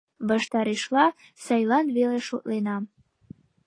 Ваштарешла – сайлан веле шотленам.